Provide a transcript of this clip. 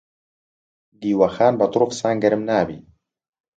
دیوەخان بە تڕ و فسان گەرم نابی.